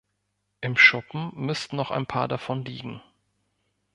Im Schuppen müssten noch ein paar davon liegen.